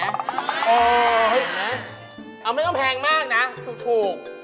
เอาไม่ต้องแพงมากน่ะถูก